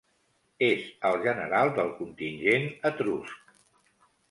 És el general del contingent etrusc.